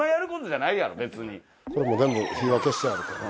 これもう全部火は消してあるからな。